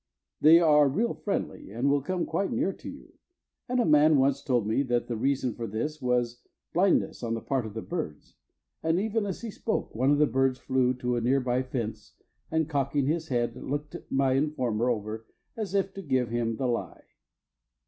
They are real friendly and will come quite near to you, and a man once told me that the reason for this was blindness on the part of the birds, and even as he spoke one of the birds flew to a nearby fence and, cocking his head, looked my informer over as if to give him the lie.